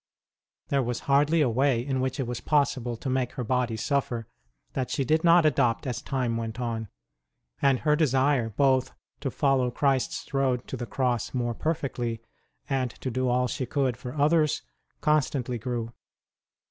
There was hardly a way in which it was possible to make her body suffer that she did not adopt as time went on, and her desire both to follow Christ s road to the Cross more perfectly and to do all she could for others constantly grew.